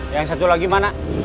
yang satu lagi mana